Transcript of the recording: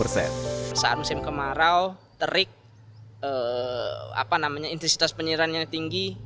saat musim kemarau terik intensitas penyirannya tinggi